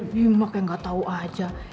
bimak yang gak tau aja